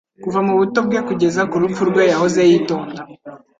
kuva mu buto bwe kugeza ku rupfu rwe yahoze yitonda